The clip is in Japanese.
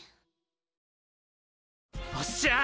おっしゃー！